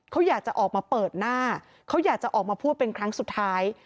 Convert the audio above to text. เขาอยากจะออกมาเปิดหน้าเขาอยากจะออกมาพูดเป็นครั้งสุดท้าย